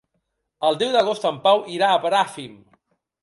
El deu d'agost en Pau irà a Bràfim.